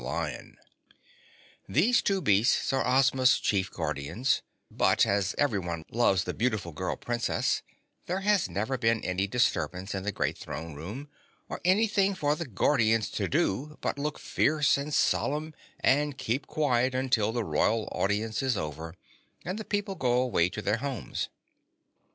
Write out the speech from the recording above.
These two beasts are Ozma's chief guardians, but as everyone loves the beautiful girl Princess there has never been any disturbance in the great Throne Room, or anything for the guardians to do but look fierce and solemn and keep quiet until the Royal Audience is over and the people go away to their homes.